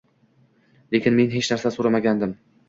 Lekin men hech narsa so`ramagandim